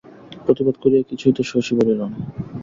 প্রতিবাদ করিয়া কিছুই তো শশী বলিল না।